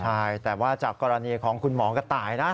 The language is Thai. ใช่แต่ว่าจากกรณีของคุณหมอกระต่ายนะ